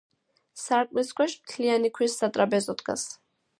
სარკმლის ქვეშ მთლიანი ქვის სატრაპეზო დგას.